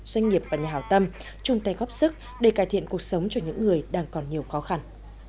doanh nghiệp và nhà hào tâm chung tay góp sức để cải thiện cuộc sống cho những người đang còn nhiều khó khăn